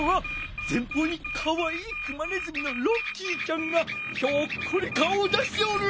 前方にかわいいクマネズミのロッキーちゃんがひょっこり顔を出しておる！